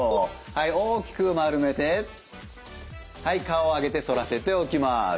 はい大きく丸めてはい顔を上げて反らせて起きます。